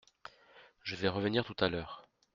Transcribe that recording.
Je vais revenir tout à l’heure.